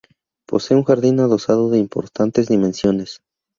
Posee un jardín adosado de importantes dimensiones.